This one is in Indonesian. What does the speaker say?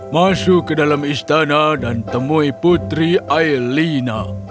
masuk ke dalam istana dan temui putri aelina